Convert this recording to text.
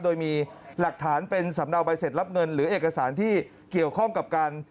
โดยมีหลักฐานเป็นสำเนาใบเสร็จรับเงินหรือเอกสารที่เกี่ยวข้องกับการ